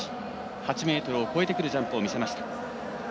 ８ｍを越えてくるジャンプを見せました。